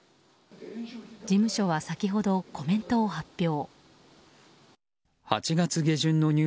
事務所は先ほどコメントを発表。